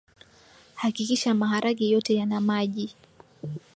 hakikisha maharage yote yana maji